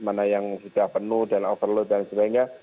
mana yang sudah penuh dan overload dan sebagainya